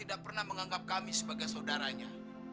tidak pernah menganggap kami sebagai saudaranya